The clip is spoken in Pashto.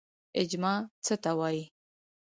اجماع څه ته وایي؟